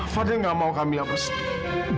fadil tidak mau kami hampir sedih